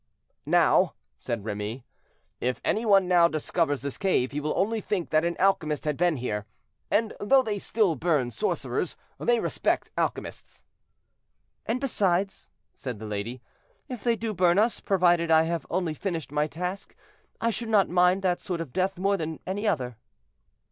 "Now," said Remy, "if any one now discovers this cave, he will only think that an alchemist has been here, and though they still burn sorcerers, they respect alchemists." "And besides," said the lady, "if they do burn us, provided I have only finished my task, I should not mind that sort of death more than any other."